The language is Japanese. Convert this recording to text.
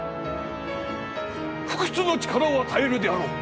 不屈の力を与えるであろう！